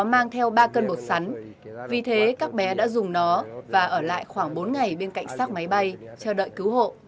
mang theo ba cân bột sắn vì thế các bé đã dùng nó và ở lại khoảng bốn ngày bên cạnh xác máy bay chờ đợi cứu hộ